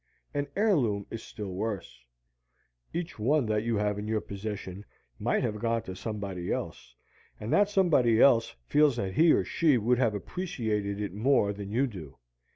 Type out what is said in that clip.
An heirloom is still worse. Each one that you have in your possession might have gone to somebody else, and that somebody else feels that he or she would have appreciated it more than you do.